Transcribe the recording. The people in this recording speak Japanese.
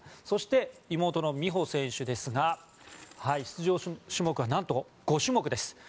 そして、妹の美帆選手ですが出場種目は何と５種目です。